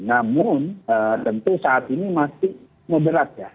namun tentu saat ini masih ngeberat ya